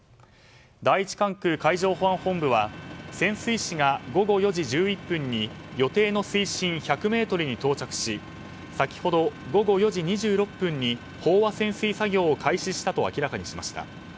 第１管区海上保安本部は潜水士が午後４時１１分に予定の水深１００ｍに到着し、先ほど午後４時２６分に飽和潜水作業を開始したと明らかにしました。